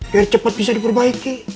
biar cepet bisa diperbaiki